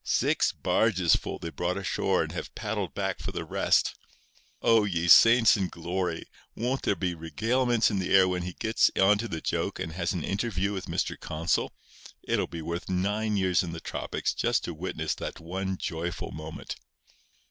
Six barges full they brought ashore and have paddled back for the rest. Oh, ye saints in glory! won't there be regalements in the air when he gets onto the joke and has an interview with Mr. Consul? It'll be worth nine years in the tropics just to witness that one joyful moment."